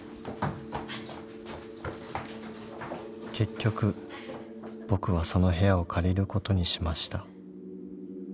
［結局僕はその部屋を借りることにしました］